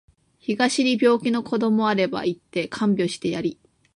東に病気の子どもあれば行って看病してやり